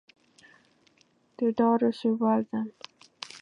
Their daughter survived them.